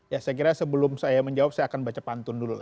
ya saya kira sebelum saya menjawab saya akan baca pantun dulu